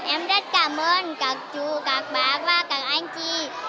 em rất cảm ơn các chú các bác và các anh chị